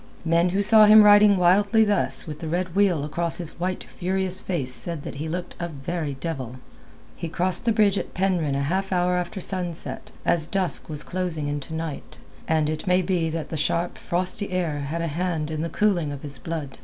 Men who saw him riding wildly thus with the red wheal across his white furious face said that he looked a very devil. He crossed the bridge at Penryn a half hour after sunset, as dusk was closing into night, and it may be that the sharp, frosty air had a hand in the cooling of his blood.